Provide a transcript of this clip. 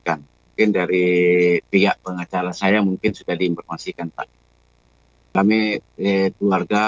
kami mohon kepada kapolri dan pak presiden jokowi widodo